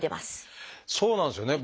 そうなんですよね。